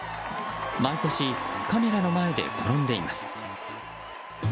毎年、カメラの前で転んでいます。